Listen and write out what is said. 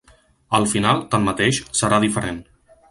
El final, tanmateix, serà diferent.